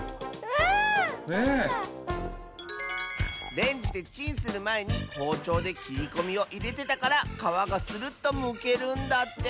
レンジでチンするまえにほうちょうできりこみをいれてたからかわがスルッとむけるんだって。